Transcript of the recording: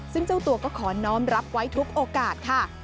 ซึ่งเจ้าตัวก็ขอน้องรับไว้ทุกโอกาสค่ะ